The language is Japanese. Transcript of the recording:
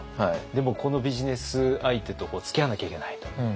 でもこのビジネス相手とつきあわなきゃいけないと。